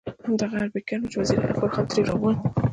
همدغه اربکیان وو چې وزیر اکبر خان ترې راووت.